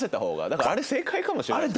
だからあれ正解かもしれない。